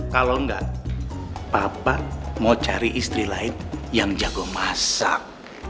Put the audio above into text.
kalau enggak papa mau cari istri lain yang jago masak